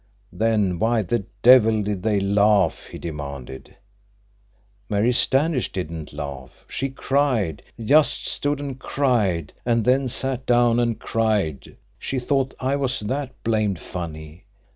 "Then why the devil did they laugh!" he demanded. "Mary Standish didn't laugh. She cried. Just stood an' cried, an' then sat down an' cried, she thought I was that blamed funny!